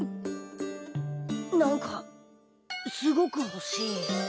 何かすごくほしい。